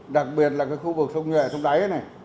đặc biệt là cái khu vực sông nhuệ sông đáy này